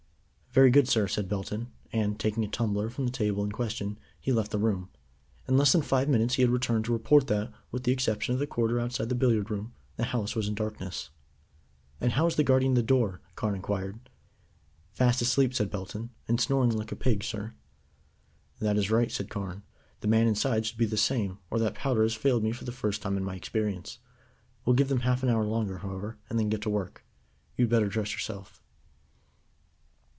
"Very good, sir," said Belton; and, taking a tumbler from the table in question, he left the room. In less than five minutes he had returned to report that, with the exception of the corridor outside the billiard room, the house was in darkness. "And how is the guardian of the door?" Carne inquired. "Fast asleep," said Belton, "and snoring like a pig, sir." "That is right," said Carne. "The man inside should be the same, or that powder has failed me for the first time in my experience. We'll give them half an hour longer, however, and then get to work. You had better dress yourself."